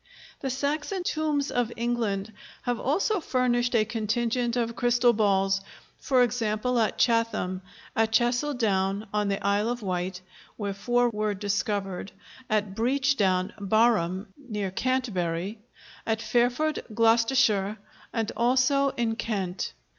The Saxon tombs of England have also furnished a contingent of crystal balls, for example at Chatham, at Chassel Down on the Isle of Wight, where four were discovered, at Breach Down, Barham, near Canterbury, at Fairford, Gloucestershire, and also in Kent.